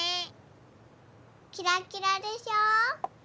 キラキラでしょ？